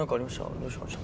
どうしました？